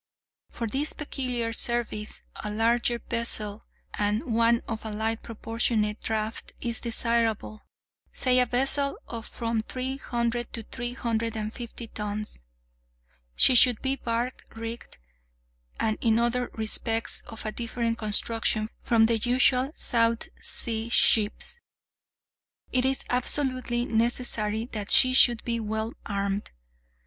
For this peculiar service, a larger vessel, and one of a light proportionate draught, is desirable—say a vessel of from three hundred to three hundred and fifty tons. She should be bark rigged, and in other respects of a different construction from the usual South Sea ships. It is absolutely necessary that she should be well armed.